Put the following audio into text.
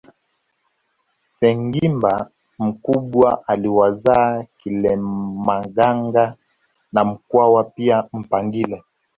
Sengimba mkubwa aliwazaa Kilemaganga na Mkwawa pia Mpangile